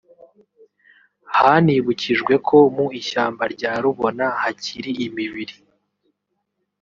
Hanibukijwe ko mu ishyamba rya Rubona hakiri imibiri